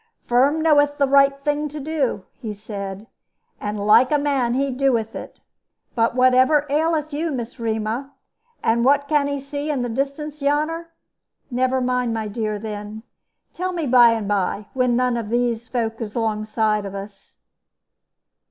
"Firm knoweth the right thing to do," he said; "and like a man he doeth it. But whatever aileth you, Miss Rema, and what can 'e see in the distance yonner? Never mind, my dear, then. Tell me by and by, when none of these folk is 'longside of us."